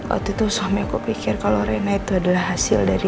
waktu itu suami aku pikir kalau rena itu adalah hasil dari